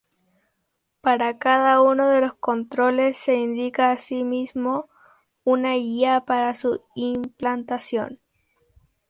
Para cada uno de los controles se indica asimismo una guía para su implantación.